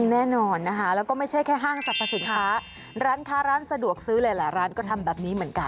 แน่นอนนะคะแล้วก็ไม่ใช่แค่ห้างสรรพสินค้าร้านค้าร้านสะดวกซื้อหลายร้านก็ทำแบบนี้เหมือนกัน